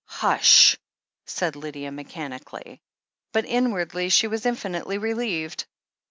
"Hush!" said Lydia mechanically. But inwardly she was infinitely relieved.